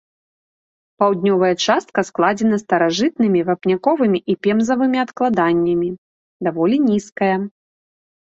Паўднёвая частка складзена старажытнымі вапняковымі і пемзавымі адкладаннямі, даволі нізкая.